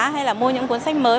hay mua những cuốn sách mới